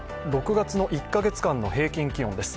６月の１カ月間の平均気温です。